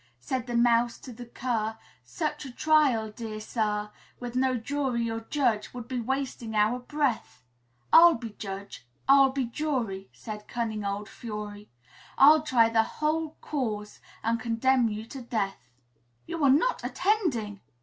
Said the mouse to the cur, 'Such a trial, dear sir, With no jury or judge, would be wasting our breath.' 'I'll be judge, I'll be jury,' said cunning old Fury; 'I'll try the whole cause, and condemn you to death.'" "You are not attending!"